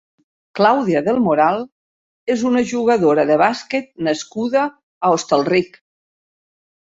Clàudia del Moral és una jugadora de bàsquet nascuda a Hostalric.